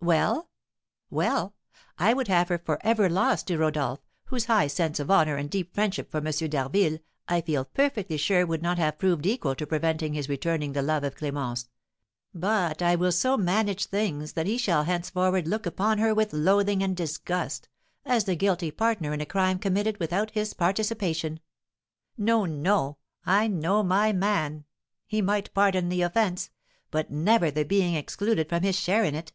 "Well?" "Well! I would have her for ever lost to Rodolph, whose high sense of honour and deep friendship for M. d'Harville I feel perfectly sure would not have proved equal to preventing his returning the love of Clémence; but I will so manage things that he shall henceforward look upon her with loathing and disgust, as the guilty partner in a crime committed without his participation. No, no! I know my man. He might pardon the offence, but never the being excluded from his share in it."